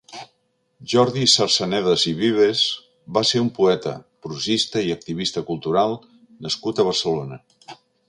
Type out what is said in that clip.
Jordi Sarsanedas i Vives va ser un poeta, prosista i activista cultural nascut a Barcelona.